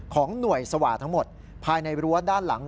ของหน่วยสวาสทั้งหมดภายในรั้วด้านหลัง